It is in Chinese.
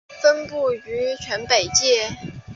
分布于全北界。